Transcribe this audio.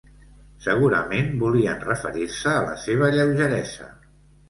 Segurament, volien referir-se a la seva lleugeresa.